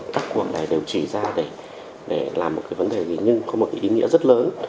các quản lý đều chỉ ra để làm một vấn đề nhưng có một ý nghĩa rất lớn